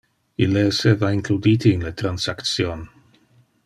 Ille esseva includite in le transaction.